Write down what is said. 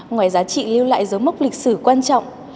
ngoài giá trị lưu lại dấu mốc lịch sử quan trọng